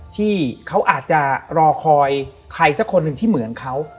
ที่เขาอาจจะรอคอยใครสักคนหนึ่งที่เหมือนเขา